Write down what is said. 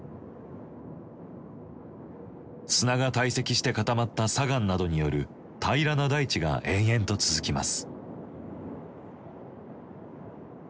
砂が堆積して固まった砂岩などによる平らな大地が延々と続きます。